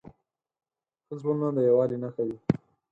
ښه زړونه د یووالي نښه وي.